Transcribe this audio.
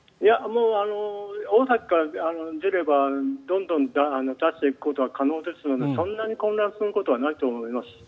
大崎から出ればどんどん出していくことは可能ですのでそんなに混乱することはないと思います。